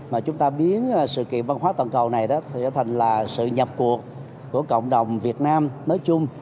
mà chúng ta biến sự kiện văn hóa toàn cầu này đó trở thành là sự nhập cuộc của cộng đồng việt nam nói chung